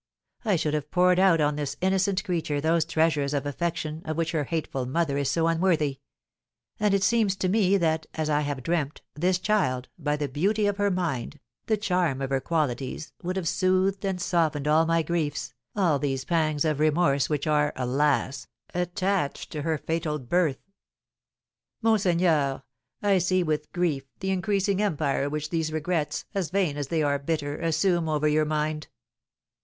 I should have poured out on this innocent creature those treasures of affection of which her hateful mother is so unworthy; and it seems to me that, as I have dreamt, this child, by the beauty of her mind, the charm of her qualities, would have soothed and softened all my griefs, all these pangs of remorse, which are, alas, attached to her fatal birth." "Monseigneur, I see with grief the increasing empire which these regrets, as vain as they are bitter, assume over your mind."